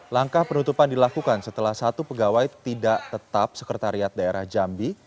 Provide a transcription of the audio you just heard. langkah penutupan dilakukan setelah satu pegawai tidak tetap sekretariat daerah jambi